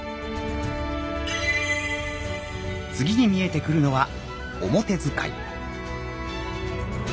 次に見えてくるのは「表使」。